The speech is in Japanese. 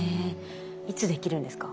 いつできるんですか？